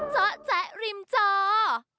เจ้าแจ๊ะริมจอร์